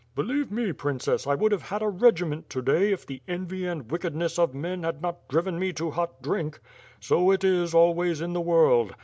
Believe me, princess, I would have had a regiment to day if the envy and wickedness of men had not driven me to hot drink. So it is always in the world.